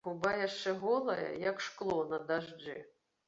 Губа яшчэ голая, як шкло на дажджы.